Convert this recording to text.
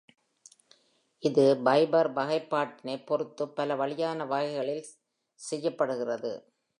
இது ஃபைபர் வகைப்பாட்டினைப் பொறுத்து பலவகையான வழிகளில் செய்யப்படுகிறது.